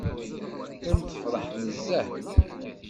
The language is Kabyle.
Teqqim tefṛeḥ nezzeh.